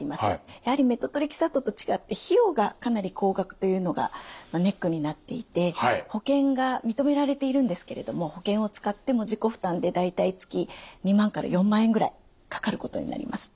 やはりメトトレキサートと違って費用がかなり高額というのがネックになっていて保険が認められているんですけれども保険を使っても自己負担で大体月２万から４万円ぐらいかかることになります。